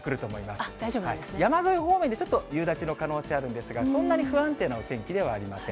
山沿い方面でちょっと夕立の可能性あるんですが、そんなに不安定なお天気ではありません。